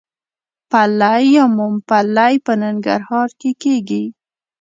پلی یا ممپلی په ننګرهار کې کیږي.